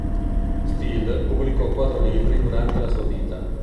Still pubblicò quattro libri durante la sua vita.